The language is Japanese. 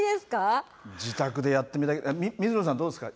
自宅でやってみたい、水野さん、どうですか？